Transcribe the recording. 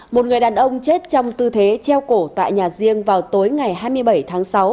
một người đàn ông chết trong tư thế treo cổ tại nhà riêng vào tối ngày hai mươi bảy tháng sáu